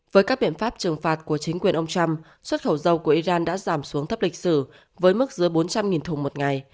với các biện pháp trừng phạt của chính quyền ông trump xuất khẩu dầu của iran đã giảm xuống thấp lịch sử với mức dưới bốn trăm linh thùng một ngày